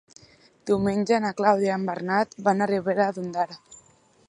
Diumenge na Clàudia i en Bernat van a Ribera d'Ondara.